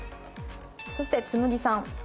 そしてつむぎさん。